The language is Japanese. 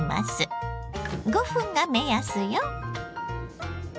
５分が目安よ。